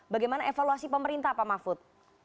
bagaimana evaluasi pemerintah pak mahfud